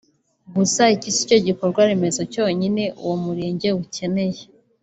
Gusa iki si cyo gikorwaremezo cyonyine uwo Murenge ukeneye